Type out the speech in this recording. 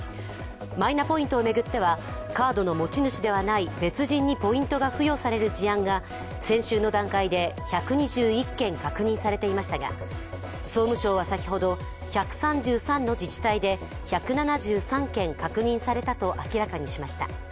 マイナポイントを巡ってはカードの持ち主ではない別人にポイントが付与される事案が先週の段階で１２１件確認されていましたが総務省は先ほど、１３３の自治体で１７３件確認されたと明らかにしました。